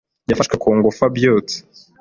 Yafashwe ku ngufu abyutse